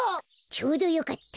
ちょうどよかった。